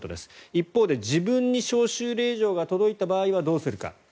一方で、自分に招集令状が届いた場合にどうするか。